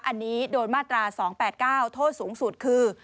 อันนี้โดนมาตรา๒๘๙โทษสูงสุดคือ